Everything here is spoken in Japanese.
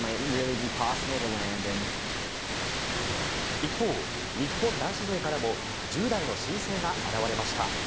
一方、日本男子勢からも１０代の新星が現れました。